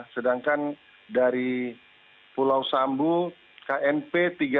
sedangkan dari pulau sambu knp tiga ratus enam puluh enam